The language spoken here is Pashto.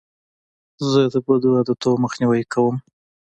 زه د بدو عادتو مخنیوی کوم.